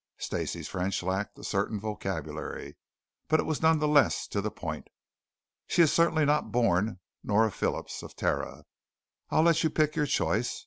Stacey's French lacked a certain vocabulary, but it was none the less to the point. "She is certainly not born Nora Phillips of Terra. I'll let you pick your choice.